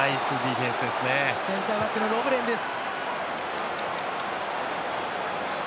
センターバックのロブレンです。